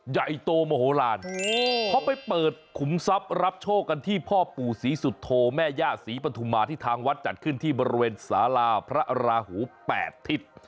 ใหญ่โตมโหลานเขาไปเปิดขุมทรัพย์รับโชคกันที่พ่อปู่ศรีสุโธแม่ย่าศรีปฐุมาที่ทางวัดจัดขึ้นที่บริเวณสาราพระราหู๘ทิศ